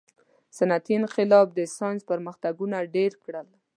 • صنعتي انقلاب د ساینس پرمختګونه ډېر کړل.